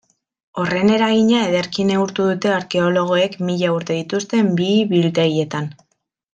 Horren eragina ederki neurtu dute arkeologoek mila urte dituzten bihi-biltegietan.